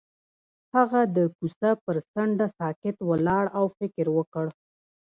هغه د کوڅه پر څنډه ساکت ولاړ او فکر وکړ.